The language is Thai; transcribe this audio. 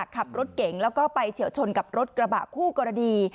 ขับรถเก่งแล้วก็ไปเฉียวชนกับรถกระบะคู่กรณี